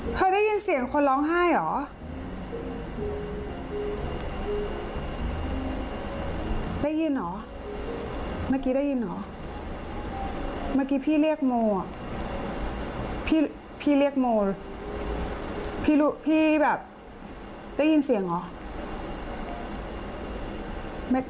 พี่แบบได้ยินเสียงเหรอ